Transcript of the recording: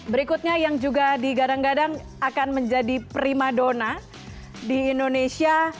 berikutnya yang juga digadang gadang akan menjadi prima dona di indonesia